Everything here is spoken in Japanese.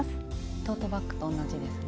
トートバッグと同じですね。